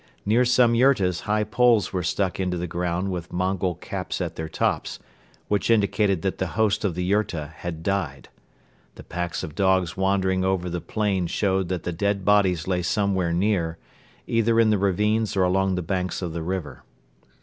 Near some yurtas high poles were stuck into the ground with Mongol caps at their tops, which indicated that the host of the yurta had died. The packs of dogs wandering over the plain showed that the dead bodies lay somewhere near, either in the ravines or along the banks of the river.